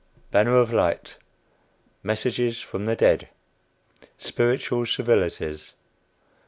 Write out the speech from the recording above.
BANNER OF LIGHT. MESSAGES FROM THE DEAD. SPIRITUAL CIVILITIES.